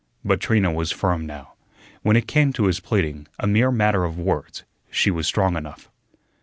But Trina was firm now. When it came to his pleading a mere matter of words she was strong enough.